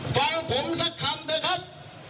ฟังผมสักคำเถอะครับ